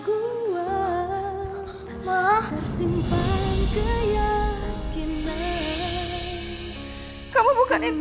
kamu bukan intan